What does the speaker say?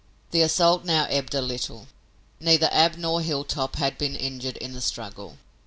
The assault now ebbed a little. Neither Ab nor Hilltop had been injured in the struggle.